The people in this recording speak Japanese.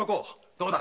どうだ？